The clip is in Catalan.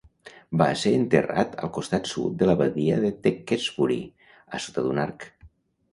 Va ser enterrat al costat sud de l'Abadia de Tewkesbury, a sota d'un arc.